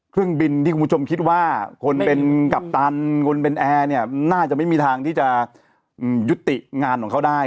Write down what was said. เครื่องบินที่คุณผู้ชมคิดว่าคนเป็นกัปตันคนเป็นแอร์เนี่ยน่าจะไม่มีทางที่จะยุติงานของเขาได้